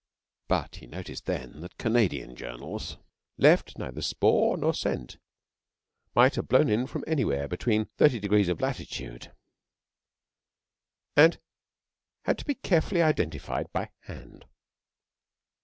But he noticed then that Canadian journals left neither spoor nor scent might have blown in from anywhere between thirty degrees of latitude and had to be carefully identified by hand.